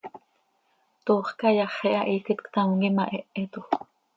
Toox cayaxi ha, hiiquet ctam quih imahéhetoj.